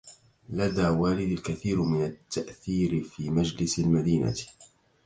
لدى والدي الكثير من التأثير في مجلس المدينة.